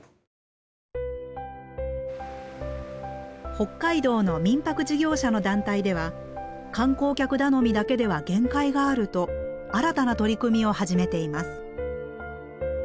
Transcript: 北海道の民泊事業者の団体では観光客頼みだけでは限界があると新たな取り組みを始めています。